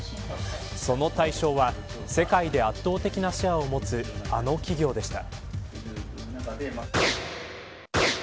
その対象は世界で圧倒的なシェアを持つあの企業でした。